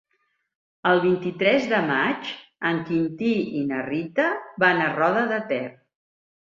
El vint-i-tres de maig en Quintí i na Rita van a Roda de Ter.